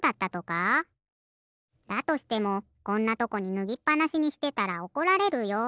だとしてもこんなとこにぬぎっぱなしにしてたらおこられるよ。